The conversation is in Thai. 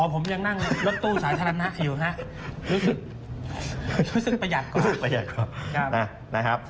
ผมยังนั่งรถตู้สาธารณะอยู่รู้สึกประหยัดกว่า